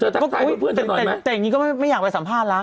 แต่อย่างนี้ก็ไม่อยากไปสัมภาษณ์แล้ว